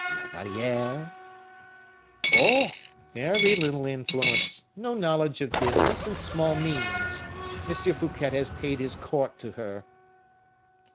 "La Valliere?" "Oh! very little influence; no knowledge of business, and small means. M. Fouquet has paid his court to her."